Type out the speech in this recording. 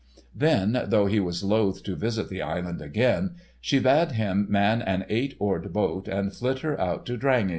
Then, though he was loath to visit the island again, she bade him man an eight oared boat and flit her out to Drangey.